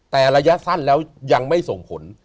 แต่ระยะสั้นแล้วยังไม่ส่งผล